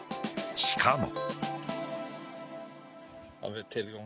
しかも。